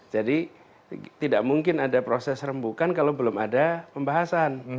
jadi tidak mungkin ada proses rembukan kalau belum ada pembahasan